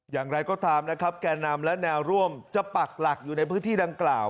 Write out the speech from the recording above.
อย่างไรก็ตามนะครับแก่นำและแนวร่วมจะปักหลักอยู่ในพื้นที่ดังกล่าว